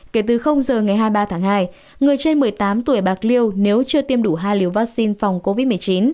kể từ giờ ngày hai mươi ba tháng hai người trên một mươi tám tuổi bạc liêu nếu chưa tiêm đủ hai liều vaccine phòng covid một mươi chín